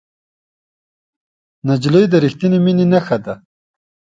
نجلۍ د رښتینې مینې نښه ده.